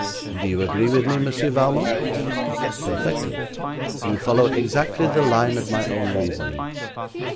Do you agree with me, Monsieur Valmont?' 'Perfectly. You follow exactly the line of my own reasoning.'